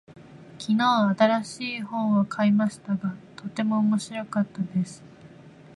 昨日、新しい本を買いましたが、とても面白かったです。